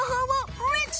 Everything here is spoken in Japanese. はい。